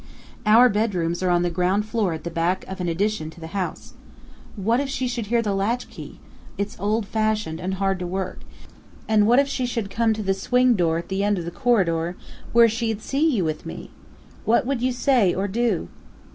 "Our bedrooms are on the ground floor at the back of an addition to the house. What if she should hear the latchkey (it's old fashioned and hard to work), and what if she should come to the swing door at the end of the corridor where she'd see you with me? What would you say or do?"